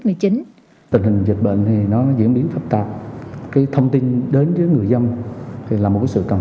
tình hình dịch bệnh thì nó diễn biến phức tạp cái thông tin đến với người dân thì là một cái sự cần